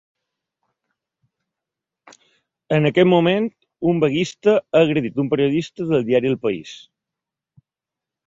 En aquest moment, un vaguista ha agredit un periodista del diari ‘El País’.